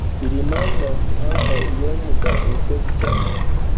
Ili manĝas ankaŭ iom da insektoj.